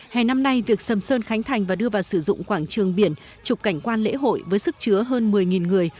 hè năm nay việc sầm sơn khánh thành và đưa vào sử dụng quảng trường biển trục cảnh quan lễ hội với sức chứa hơn một mươi người